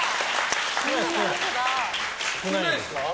少ないんですか？